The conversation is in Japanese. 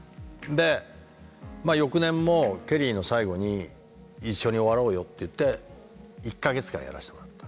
でまあ翌年もケリーの最後に一緒に終わろうよって言って１か月間やらせてもらった。